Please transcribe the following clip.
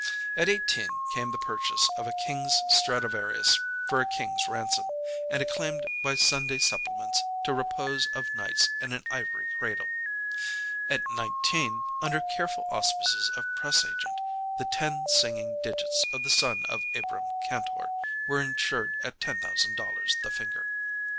At eighteen came the purchase of a king's Stradivarius for a king's ransom, and acclaimed by Sunday supplements to repose of nights in an ivory cradle. At nineteen, under careful auspices of press agent, the ten singing digits of the son of Abrahm Kantor were insured at ten thousand dollars the finger.